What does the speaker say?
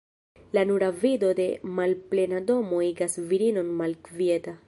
La nura vido de malplena domo igas virinon malkvieta.